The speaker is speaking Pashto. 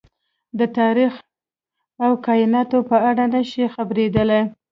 د تاريخ او کايناتو په اړه نه شي خبرېدلی.